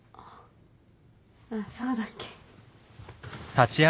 あっそうだっけ？